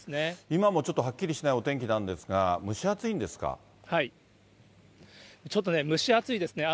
今もちょっとはっきりしないお天気なんですが、蒸し暑いんでちょっと蒸し暑いですね。